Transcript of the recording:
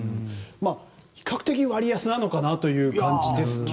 比較的割安なのかなという感じですが。